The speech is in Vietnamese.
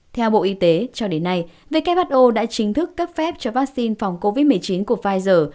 theo bộ y tế cho đến nay who đã chính thức cấp phép cho vaccine phòng covid một mươi chín của pfizer